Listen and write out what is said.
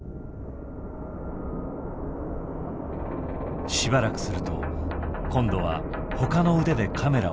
しばらくすると今度はほかの腕でカメラを引き寄せた。